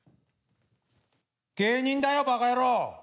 芸人だよばかやろう。